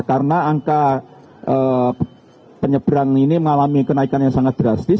karena angka penyeberangan ini mengalami kenaikan yang sangat drastis